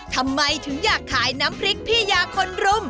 ทำไมถึงอยากขายน้ำพริกพี่ยาคนรุม